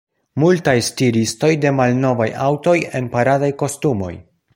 Multaj stiristoj de malnovaj aŭtoj en paradaj kostumoj.